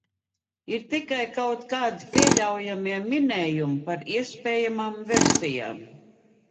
Ir tikai kaut kādi pieļaujamie minējumi par iespējamajām versijām...